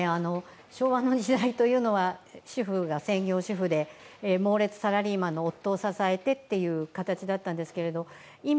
昭和の時代というのは主婦が専業主婦で猛烈サラリーマンの夫を支えてという形だったんですけど今